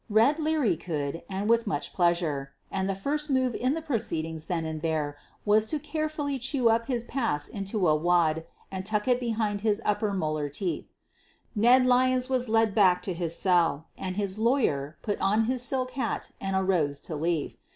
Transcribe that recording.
"Red" Leary could, and with much pleasure — and the first move in the proceedings then and there was to carefully chew up his pass into a wad and tuck it behind his upper molar teeth. Ned Lyons was led back to his cell and his "law yer" put on his silk hat and arose to leave.